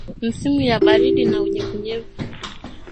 Misimu ya baridi na unyevunyevu